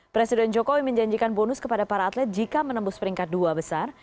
presiden jokowi menjanjikan bonus kepada para atlet jika menembus peringkat dua besar